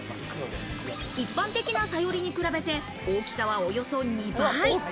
一般的なサヨリに比べて大きさはおよそ２倍。